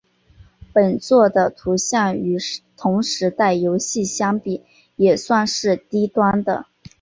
本作的图像与同时代游戏相比也算是低端的。